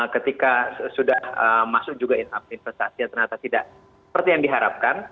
ketika sudah masuk juga investasi yang ternyata tidak seperti yang diharapkan